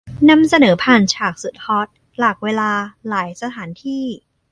นำเสนอผ่านฉากสุดฮอตหลากเวลาหลายสถานที่